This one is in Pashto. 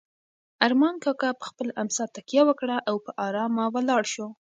ارمان کاکا په خپله امسا تکیه وکړه او په ارامه ولاړ شو.